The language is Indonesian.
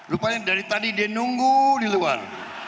rupanya dari tadi dia nunggu di luar